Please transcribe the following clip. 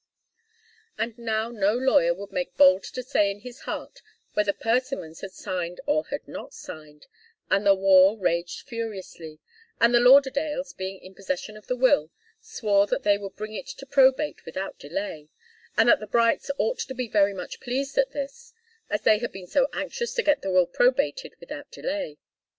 And now no lawyer would make bold to say in his heart whether Persimmons had signed or had not signed, and the war raged furiously, and the Lauderdales, being in possession of the will, swore that they would bring it to probate without delay, and that the Brights ought to be very much pleased at this, as they had been so anxious to get the will probated without delay.